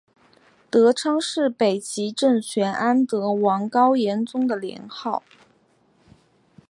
德昌是北齐政权安德王高延宗的年号。